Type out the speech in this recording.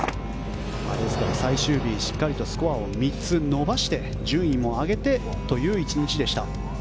最終日しっかりスコアを３つ伸ばして順位も上げてという１日でした。